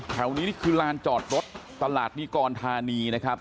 นี่คือลานจอดรถตลาดนิกรธานีนะครับ